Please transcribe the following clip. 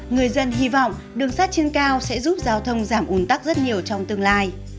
người dân hy vọng đường sắt trên cao sẽ giúp giao thông giảm ủn tắc rất nhiều trong tương lai